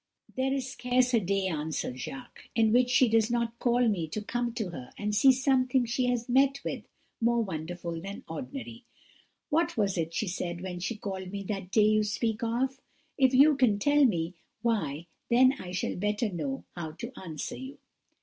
"'There is scarce a day,' answered Jacques, 'in which she does not call me to come to her and see something she has met with more wonderful than ordinary. What was it she said when she called me that day you speak of? If you can tell me, why then I shall better know how to answer you.'